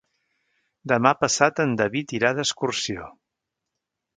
Demà passat en David irà d'excursió.